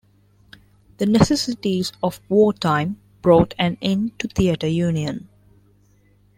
The necessities of wartime brought an end to Theatre Union.